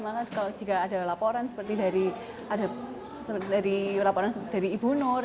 maka jika ada laporan seperti dari ibu nur